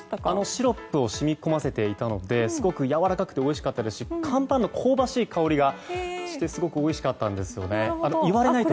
シロップを染み込ませていたのですごくやわらかくておいしかったですしカンパンの香ばしい香りがしてすごくおいしかったです。